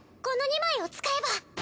この２枚を使えば。